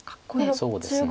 そうですね。